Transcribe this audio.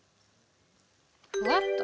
ふわっと。